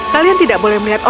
kalian tidak boleh melihatnya